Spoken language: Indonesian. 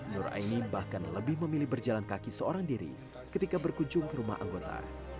nur aini bahkan lebih memilih berjalan kaki seorang diri ketika berkunjung ke rumah anggota